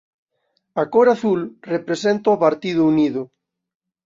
A cor azul representa ó Partido Unido.